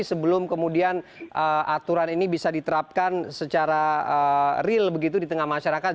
sebelum kemudian aturan ini bisa diterapkan secara real begitu di tengah masyarakat